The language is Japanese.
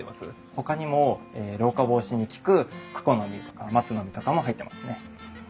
ほかにも老化防止に効くクコの実とか松の実とかも入ってますね。